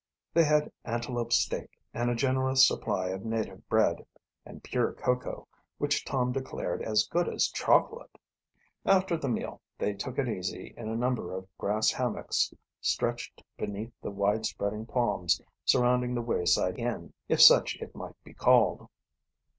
They had antelope steak and a generous supply of native bread, and pure cocoa, which Tom declared as good as chocolate. After the meal they took it easy in a number of grass hammocks stretched beneath the wide spreading palms surrounding the wayside inn, if such it might be called.